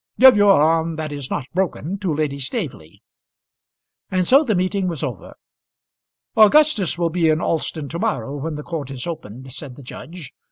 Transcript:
"Give your arm that is not broken to Lady Staveley." And so the meeting was over. "Augustus will be in Alston to morrow when the court is opened," said the judge.